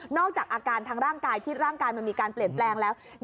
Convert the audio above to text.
จากอาการทางร่างกายที่ร่างกายมันมีการเปลี่ยนแปลงแล้ว